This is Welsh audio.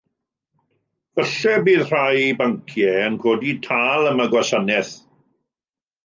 Efallai y bydd rhai banciau yn codi tâl am y gwasanaeth.